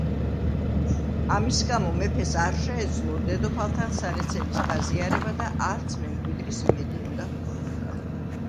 ამის გამო, მეფეს არ შეეძლო დედოფალთან სარეცელის გაზიარება და არც მემკვიდრის იმედი უნდა ჰქონოდა.